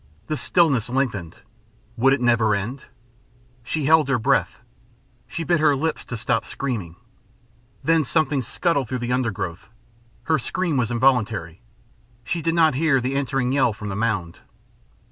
The stillness lengthened would it never end? She held her breath; she bit her lips to stop screaming. Then something scuttled through the undergrowth. Her scream was involuntary. She did not hear the answering yell from the mound.